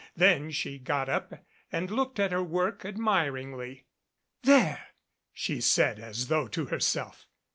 Then she got up and looked at her work admiringly. "There !" she said as though to herself.